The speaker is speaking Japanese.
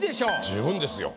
十分ですよ。